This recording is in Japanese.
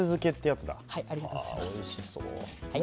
もうおいしそう。